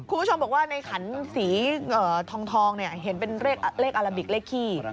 คุณผู้ชมบอกว่าในขันสีทองเนี่ยเห็นเป็นเลขอาราบิกเลขขี้